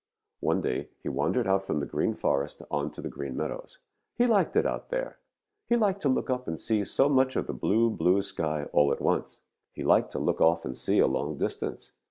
One day he wandered out from the Green Forest on to the Green Meadows. He liked it out there. He liked to look up and see so much of the blue, blue sky all at once. He liked to look off and see a long distance.